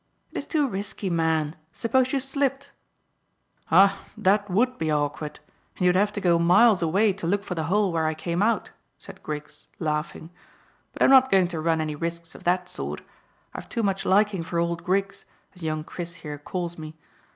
"It is too risky, man. Suppose you slipped?" "Ah, that would be awkward; and you'd have to go miles away to look for the hole where I came out," said Griggs, laughing; "but I'm not going to run any risks of that sort. I've too much liking for old Griggs, as young Chris here calls me.